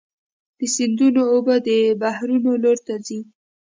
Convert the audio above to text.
د سیندونو اوبه د بحرونو لور ته ځي.